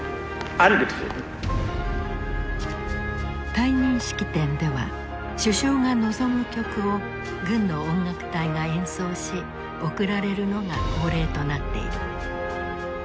退任式典では首相が望む曲を軍の音楽隊が演奏し送られるのが恒例となっている。